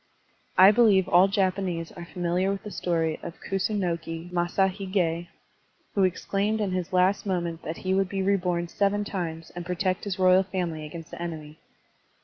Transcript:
I believe all Japanese are familiar with the story of Kusunoki Masashig6, who exclaimed in his last moment that he would be reborn seven times and protect his royal family against the enemy.